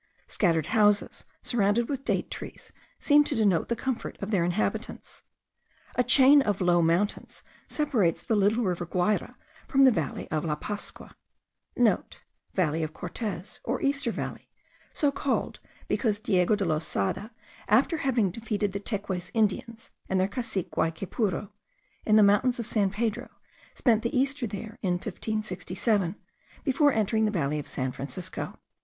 Scattered houses surrounded with date trees seem to denote the comfort of their inhabitants. A chain of low mountains separates the little river Guayra from the valley of La Pascua* (so celebrated in the history of the country) (* Valley of Cortes, or Easter Valley, so called because Diego de Losada, after having defeated the Teques Indians, and their cacique Guaycaypuro, in the mountains of San Pedro, spent the Easter there in 1567, before entering the valley of San Francisco.